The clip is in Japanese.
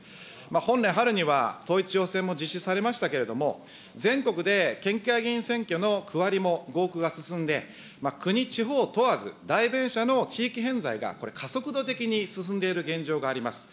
本年春には、統一地方選も実施されましたけれども、全国で県議会議員選挙の区割りも合区が進んで、国地方問わず、代弁者の地域偏在がこれ、加速度的に進んでいる現状があります。